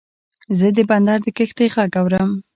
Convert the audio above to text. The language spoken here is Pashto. زه د بندر د کښتۍ غږ اورم.